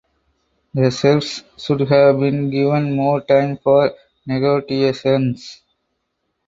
The Serbs should have been given more time for negotiations.